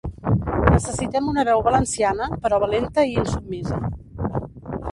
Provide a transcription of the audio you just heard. Necessitem una veu valenciana, però valenta i insubmisa.